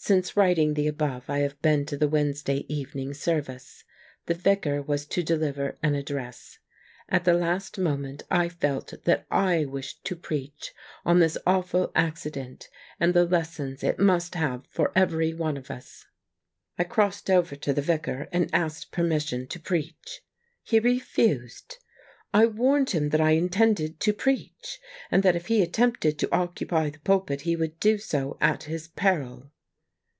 Since writing the above I have been to the Wednesday evening service. The Vicar was to deliver an address. At the last moment I felt that I wished to preach on this awful accident and the lessons it must have for every one of us. I crossed over to the ^ icar and asked permission to preach. He refused. I warned him that I intended to preach, and that if he attempted to occupy the pulpit he would do so at his peril.